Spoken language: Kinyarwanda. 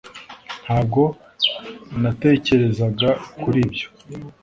Ntabwo natekerezaga kuri ibyo